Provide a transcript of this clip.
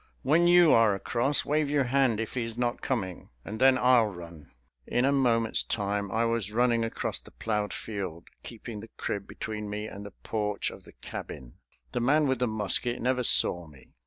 When you are across wave your hand if he is not coming, and then I'll run." In a moment's time I was running across the plowed field, keeping the crib between me and the porch of the cabin. The man with the musket never saw me.